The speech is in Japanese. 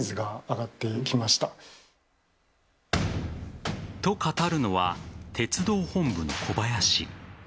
それが。と、語るのは鉄道本部の小林。